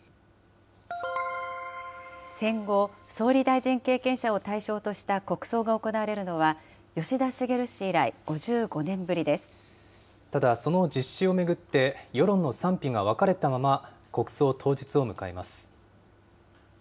戦後、総理大臣経験者を対象とした国葬が行われるのは、吉田ただ、その実施を巡って、世論の賛否が分かれたまま、国葬当日を迎えます。